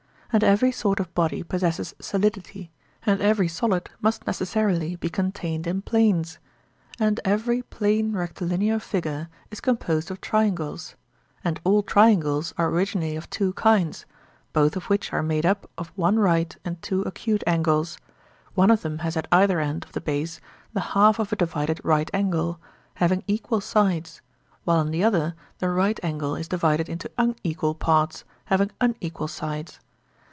And every sort of body possesses solidity, and every solid must necessarily be contained in planes; and every plane rectilinear figure is composed of triangles; and all triangles are originally of two kinds, both of which are made up of one right and two acute angles; one of them has at either end of the base the half of a divided right angle, having equal sides, while in the other the right angle is divided into unequal parts, having unequal sides.